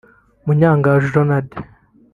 Munyangaju Ronald